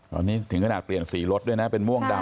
ตอนนี้ถึงขนาดเปลี่ยนสีรถด้วยนะเป็นม่วงดำ